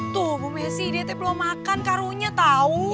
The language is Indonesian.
tuh bu messi dietnya belum makan karunya tau